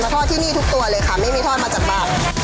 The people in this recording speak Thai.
ทอดที่นี่ทุกตัวเลยค่ะไม่มีทอดมาจากบ้าน